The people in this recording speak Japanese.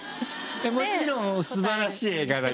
もちろん素晴らしい映画だけどね。